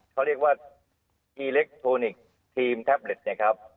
เขาเรียกว่าอีเล็กโทนิกส์ทีมแท็บเล็ตเนี่ยครับ